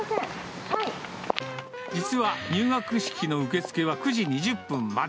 実は、入学式の受け付けは９時２０分まで。